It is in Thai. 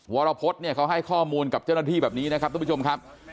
วรพฤษเนี่ยเขาให้ข้อมูลกับเจ้าหน้าที่แบบนี้นะครับทุกผู้ชมครับ